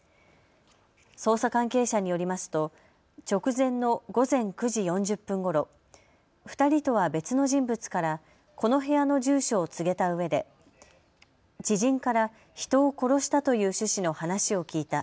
捜査関係者によりますと直前の午前９時４０分ごろ、２人とは別の人物からこの部屋の住所を告げたうえで知人から人を殺したという趣旨の話を聞いた。